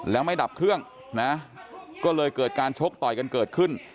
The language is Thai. แล้วไม่ดับเครื่องนะก็เลยเกิดการชกต่อยกันเกิดขึ้น